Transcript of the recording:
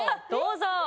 どうぞ。